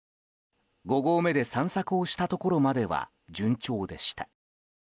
５合目で散策をしたところまでは順調でした。